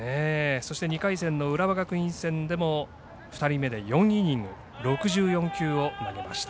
そして２回戦浦和学院戦でも２人目で４イニング６４球を投げました。